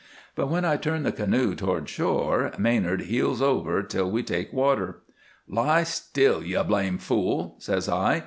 But when I turn the canoe toward shore Manard heels over till we take water. "'Lie still, you blame fool!' says I.